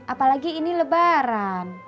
apalagi ini lebaran